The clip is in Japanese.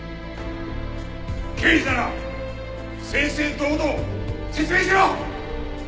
刑事なら正々堂々説明しろ！